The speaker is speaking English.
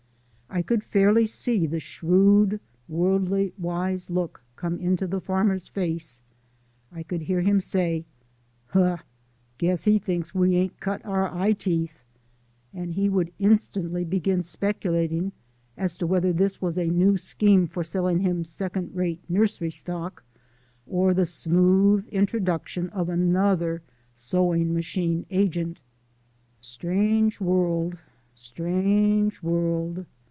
I could fairly see the shrewd worldly wise look come into the farmer's face; I could hear him say: "Ha, guess he thinks we ain't cut our eye teeth!" And he would instantly begin speculating as to whether this was a new scheme for selling him second rate nursery stock, or the smooth introduction of another sewing machine agent. Strange world, strange world!